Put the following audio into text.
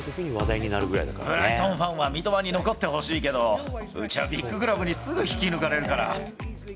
ブライトンファンは三笘に残ってほしいけど、うちはビッグクラブにすぐ引き抜かれるから。